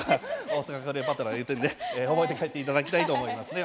オーサカクレオパトラいうてるんで覚えて帰っていただきたいと思いますね。